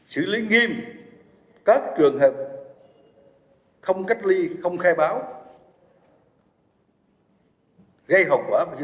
xử lý nghiêm các trường hợp không cách ly không khai báo